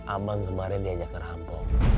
abang kemaren diajak ke rampok